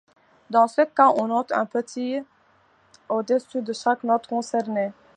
Dans ce cas, on note un petit au-dessus de chaque note concernée.